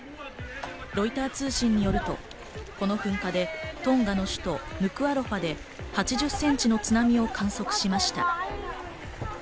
ロイター通信によると、この噴火でトンガの首都・ヌクアロファで８０センチの津波を観測しました。